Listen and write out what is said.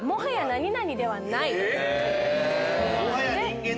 はい！